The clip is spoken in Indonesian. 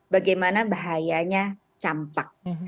bagaimana bahayanya campak